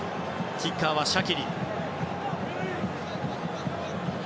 キッカーはシャキリ。